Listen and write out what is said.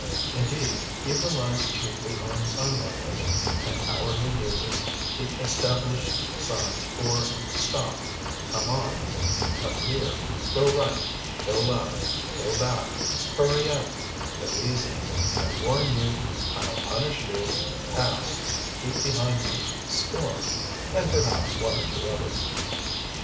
Indeed, he relies chiefly on Sign Language and hourly uses the established signs for "Stop," "Come on," "Come here," "Go right," "Go left," "Go back," "Hurry up," "Go easy," "I warn you," "I'll punish you," "Pass," "Keep behind me," "Scorn," and, perhaps, one or two others.